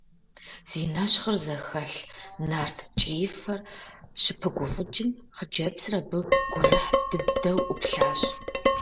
Зи нэщхъыр зэхэлъ, нарт ткӀиифэр щыпыгуфӀыкӀым, хъыджэбзыр абы гурыхь дыдэу Ӏуплъащ.